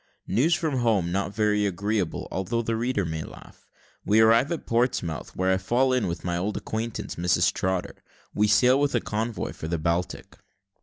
NEWS FROM HOME NOT VERY AGREEABLE, ALTHOUGH THE READER MAY LAUGH WE ARRIVE AT PORTSMOUTH, WHERE I FALL IN WITH MY OLD ACQUAINTANCE, MRS. TROTTER WE SAIL WITH A CONVOY FOR THE BALTIC.